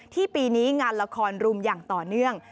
ปีนี้งานละครรุมอย่างต่อเนื่อง